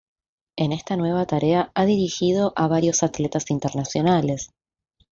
En esta nueva tarea ha dirigido a varios atletas internacionales.